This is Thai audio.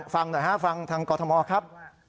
ฟังหน่อยฮะฟังทางกรทมครับ